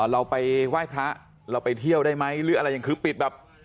เราไปไหว้พระเราไปเที่ยวได้ไหมหรืออะไรอย่างคือปิดแบบ